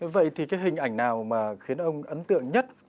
vậy thì cái hình ảnh nào mà khiến ông ấn tượng nhất